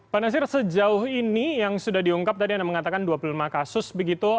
pak nasir sejauh ini yang sudah diungkap tadi anda mengatakan dua puluh lima kasus begitu